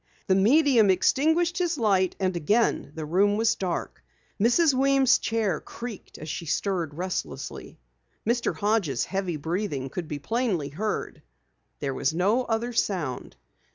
The medium extinguished his light and again the room was dark. Mrs. Weems' chair creaked as she stirred restlessly. Mr. Hodges' heavy breathing could be plainly heard. There was no other sound.